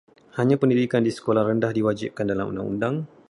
Hanya pendidikan di sekolah rendah diwajibkan dalam undang-undang.